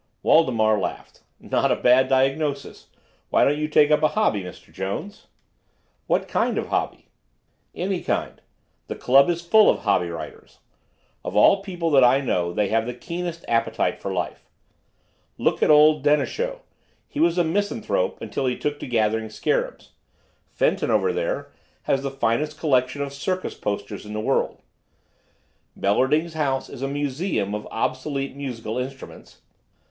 Waldemar laughed. "Not a bad diagnosis. Why don't you take up a hobby, Mr. Jones?" "What kind of a hobby?" "Any kind. The club is full of hobby riders. Of all people that I know, they have the keenest appetite for life. Look at old Denechaud; he was a misanthrope until he took to gathering scarabs. Fenton, over there, has the finest collection of circus posters in the world. Bellerding's house is a museum of obsolete musical instruments.